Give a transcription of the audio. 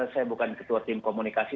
saya bukan ketua tim komunikasi